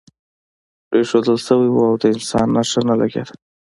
پرېښوول شوی و او د انسان نښه نه لګېده.